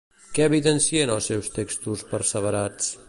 Què evidencien els seus textos perseverats?